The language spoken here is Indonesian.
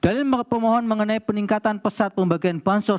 dari pemohon mengenai peningkatan pesat pembagian bansor